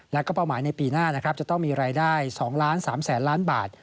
และก็เป้าหมายในปีหน้าจะต้องมีรายได้๒๓๐๐๐๐๐บาท